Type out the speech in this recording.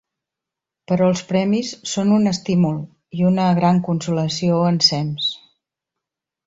Però els premis són un estímul i una gran consolació ensems.